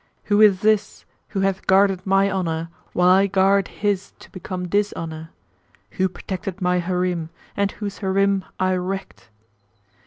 Who is this who hath guarded my honour while I garred his become dishonour? Who protected my Harim and whose Harim I wrecked?"